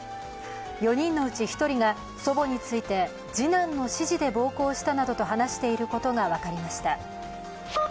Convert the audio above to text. ４人のうち１人が祖母について次男の指示で暴行したなどと話していることが分かりました。